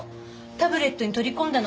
タブレットに取り込んだの。